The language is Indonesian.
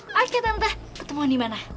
oke tante ketemuan dimana